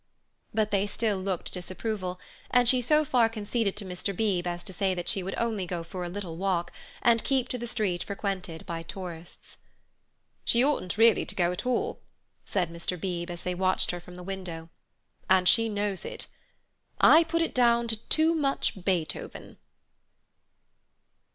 But they still looked disapproval, and she so far conceded to Mr. Beebe as to say that she would only go for a little walk, and keep to the street frequented by tourists. "She oughtn't really to go at all," said Mr. Beebe, as they watched her from the window, "and she knows it. I put it down to too much Beethoven."